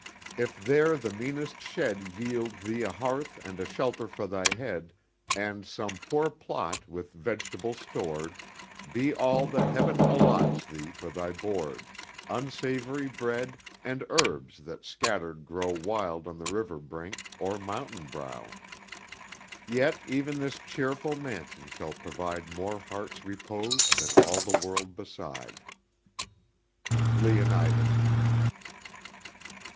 If there the meanest shed Yield thee a hearth and a shelter for thy head, And some poor plot, with vegetables stored, Be all that Heaven allots thee for thy board, Unsavory bread, and herbs that scatter'd grow Wild on the river brink, or mountain brow; Yet e'en this cheerless mansion shall provide More heart's repose than all the world beside. LEONIDAS.